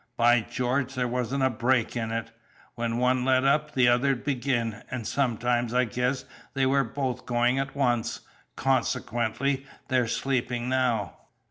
By George, there wasn't a break in it! When one let up the other'd begin, and sometimes I guess they were both going at once. Consequently, they're sleeping now."